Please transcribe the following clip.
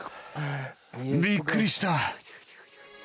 びっくりした。